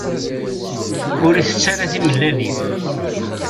Ur itett ara timellalin.